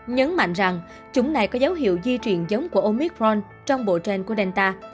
nhấn mạnh rằng chủng này có dấu hiệu di truyền giống của omicron trong bộ trên của delta